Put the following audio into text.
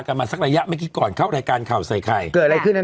กันมาสักระยะไม่กินก่อนเข้ารายการเข่าใส่ไข่เกิดอะไร